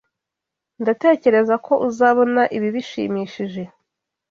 Ndatekereza ko uzabona ibi bishimishije.